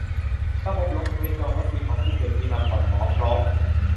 ระบบลงทะเบียนจองฉีดวัคซีนของภูเก็ตมีมาก่อน หมอพร้อม